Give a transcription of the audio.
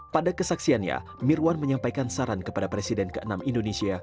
pada kesaksiannya mirwan menyampaikan saran kepada presiden ke enam indonesia